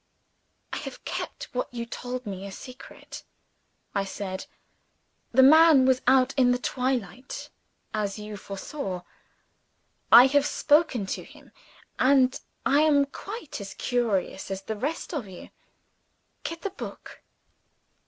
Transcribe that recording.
"I have kept what you told me a secret," I said. "The man was out in the twilight, as you foresaw. I have spoken to him; and I am quite as curious as the rest of you. Get the book."